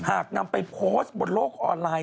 หากนำไปโพสต์บนโลกออนไลน์